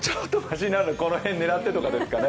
この辺狙ってとかですかね。